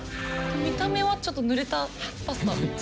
見た目はちょっとぬれたパスタ。